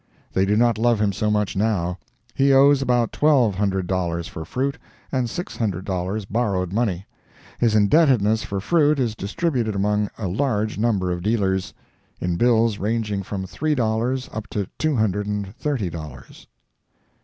They do not love him so much now. He owes about twelve hundred dollars for fruit, and six hundred dollars borrowed money. His indebtedness for fruit is distributed among a large number of dealers, in bills ranging from three dollars up to two hundred and thirty dollars.